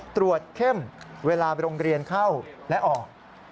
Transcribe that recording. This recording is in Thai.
เข้มเวลาโรงเรียนเข้าและออก